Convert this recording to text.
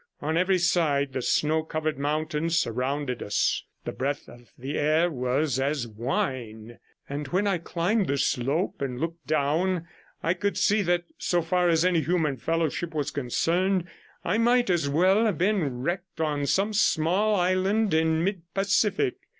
On every side the snow covered mountains surrounded us, the breath of the air was as wine, and when I climbed the slope and looked down, I could see that, so far as any human fellowship was concerned, I might as well have been wrecked on some small island in mid Pacific.